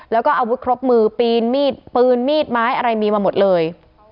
แล้วก็อาวุธครบมือปีนมีดปืนมีดไม้อะไรมีมาหมดเลย